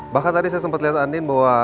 bahkan tadi saya sempet liat andin bahwa